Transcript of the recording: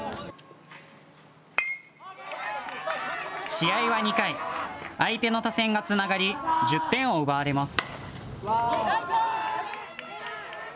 試合は２回、相手の打線がつながり１０点を奪われます。